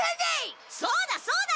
そうだそうだ！